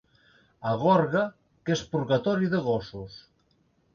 A Gorga, que és purgatori de gossos.